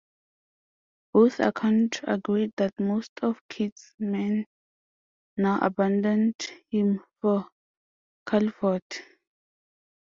Both accounts agree that most of Kidd's men now abandoned him for Culliford.